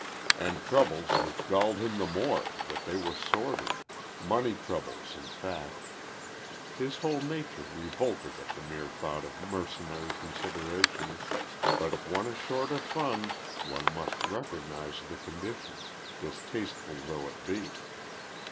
And troubles which galled him the more, that they were sordid—money troubles, in fact. His whole nature revolted at the mere thought of mercenary considerations, but if one is short of funds one must recognize the condition, distasteful though it be.